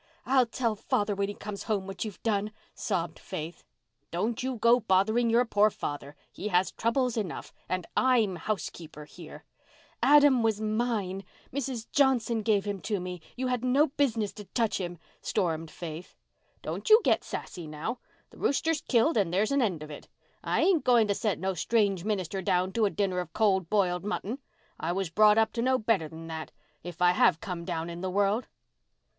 "I'll tell father when he comes home what you've done," sobbed Faith. "Don't you go bothering your poor father. He has troubles enough. And I'm housekeeper here." "Adam was mine—Mrs. Johnson gave him to me. You had no business to touch him," stormed Faith. "Don't you get sassy now. The rooster's killed and there's an end of it. I ain't going to set no strange minister down to a dinner of cold b'iled mutton. I was brought up to know better than that, if I have come down in the world."